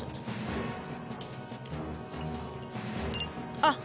あっ。